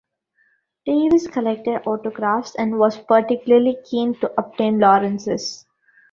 Davies collected autographs, and was particularly keen to obtain Lawrence's.